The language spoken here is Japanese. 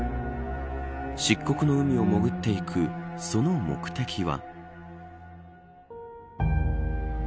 漆黒の海を潜っていくその目的は。